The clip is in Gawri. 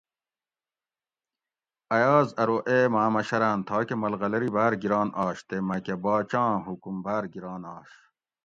ایاز ارو اے ماۤں مشراۤن تھاکہ ملغلری باۤر گِران آش تے مۤکہ باچہ آں حکم باۤر گِران آش